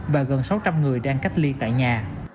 và gần sáu trăm linh người đang cách ly tại nhà